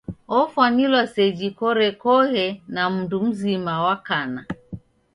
Ofwanilwa seji korekoghe na mndu mzima wa kana.